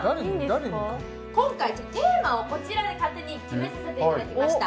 今回テーマをこちらで勝手に決めさせていただきました